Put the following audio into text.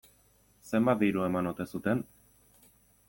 Zenbat diru eman ote zuten?